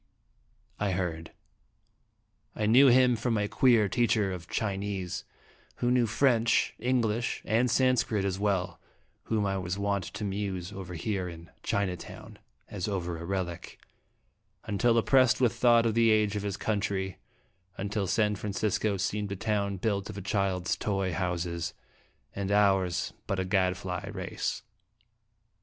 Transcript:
"' I heard. I knew him for my queer teacher of Chinese, who knew French, English, and Dramatic in iHg dDesting. 99 Sanscrit as well, whom I was wont to muse over here in "Chinatown," as over a relic, until oppressed with thought of the age of his country, until San Francisco seemed a town built of a child's toy houses, and ours but a gadfly race.